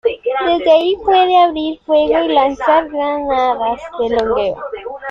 Desde ahí, puede abrir fuego y lanzar granadas.